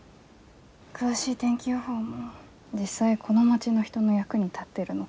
詳しい天気予報も実際この町の人の役に立ってるのかどうかも分かんない。